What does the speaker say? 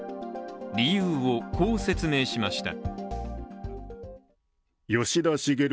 理由を、こう説明しました。